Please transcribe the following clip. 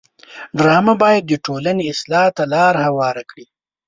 ډرامه باید د ټولنې اصلاح ته لاره هواره کړي